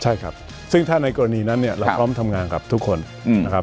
ใช่ครับซึ่งถ้าในกรณีนั้นเนี่ยเราพร้อมทำงานกับทุกคนนะครับ